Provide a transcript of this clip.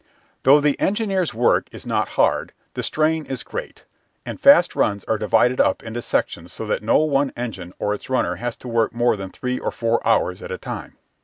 Though the engineer's work is not hard, the strain is great, and fast runs are divided up into sections so that no one engine or its runner has to work more than three or four hours at a time.